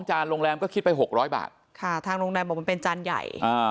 ๒จานโรงแรมก็คิดไป๖๐๐บาทค่ะทางโรงแรมบอกว่าเป็นจานใหญ่